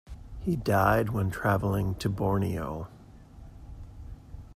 He died when travelling to Borneo.